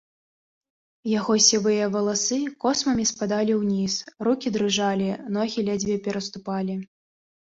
Яго сівыя валасы космамі спадалі ўніз, рукі дрыжалі, ногі ледзьве пераступалі.